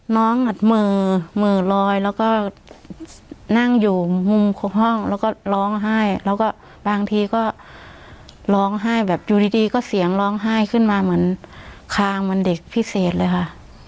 น้องอัดเหมือลอยแล้วก็นั่งอยู่มุมห้องแล้วก็ร้องไห้แล้วก็บางทีก็ร้องไห้แบบอยู่ดีก็เสียงร้องไห้ขึ้นมาเหมือนคางเหมือนเด็กพิเศษเลยค่ะ